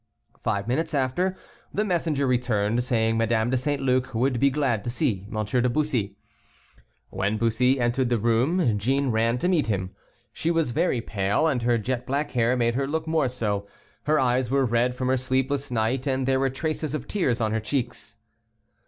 Five minutes after, the messenger returned, saying Madame de St. Luc would be glad to see M. de Bussy. When Bussy entered the room, Jeanne ran to meet him. She was very pale, and her jet black hair made her look more so; her eyes were red from her sleepless night, and there were traces of tears on her cheeks.